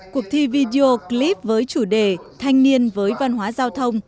cuộc thi video clip với chủ đề thanh niên với văn hóa giao thông